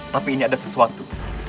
tapi ini ada sesuatu